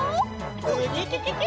ウキキキ！